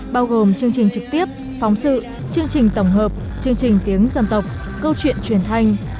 bao gồm chương trình trực tiếp phóng sự chương trình tổng hợp chương trình tiếng dân tộc câu chuyện truyền thanh